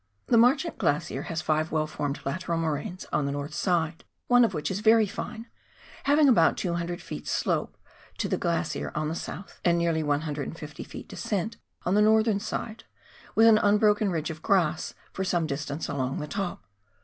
The Marchant Glacier has five well formed lateral moraines on the north side, one of which is very fine, having about 200 ft. slope to the glacier on the south, and nearly 150 ft. descent on the northern side, with an unbroken ridge of grass for some distance along the top.